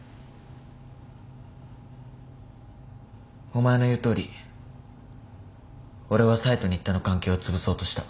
お前の言うとおり俺は冴と新田の関係をつぶそうとした。